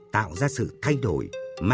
tạo ra sự thay đổi